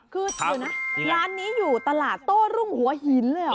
คือร้านนี้อยู่ตลาดโต้รุ่งหัวหินเลยเหรอ